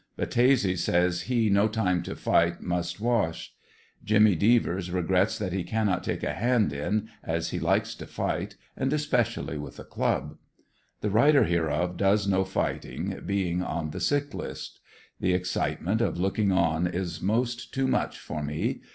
Battese says he '*no time to fight, must wash." Jimmy Devers regrets that he cannot take a hand in, as he likes to fight, and espe cially with a club. The writer hereof does no fighting, being on the sick list. The excitement of looking on is most too much for me.